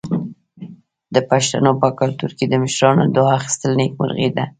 د پښتنو په کلتور کې د مشرانو دعا اخیستل نیکمرغي ده.